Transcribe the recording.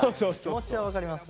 気持ちは分かります。